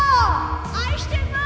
愛してます！